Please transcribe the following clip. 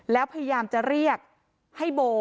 แล้วพยายามจะเรียกให้โบ